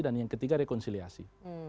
dan yang ketiga rekonsiliasi